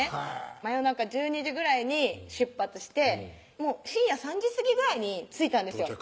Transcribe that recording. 真夜中１２時ぐらいに出発して深夜３時過ぎぐらいに着いたんですよ